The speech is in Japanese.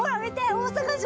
大阪城！